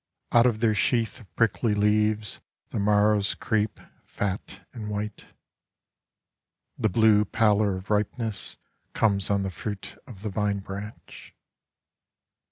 Out of their sheath of prickly leavesThe marrows creep, fat and white. The blue pallor of ripenessComes on the fruit of the vine branch.